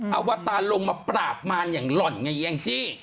เอาอวตารลงมาปราบมารอย่างหล่อนไงอางจิ